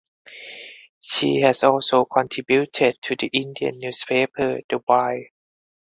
She has also contributed to the Indian newspaper "The Wire".